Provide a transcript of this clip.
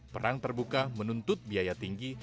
perang terbuka menuntut biaya tinggi